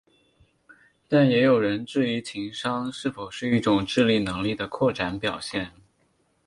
但也有人质疑情商是否是一种智力能力的扩展表现。